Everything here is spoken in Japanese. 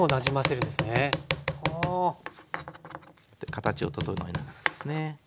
形を整えながらですね。